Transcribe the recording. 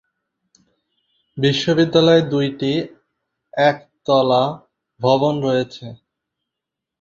বিদ্যালয়ে দুইটি একতলা ভবন রয়েছে।